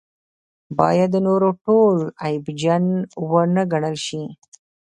باید د نورو ټول عیبجن ونه ګڼل شي.